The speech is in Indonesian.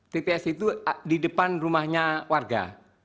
tps itu di depan rumahnya warga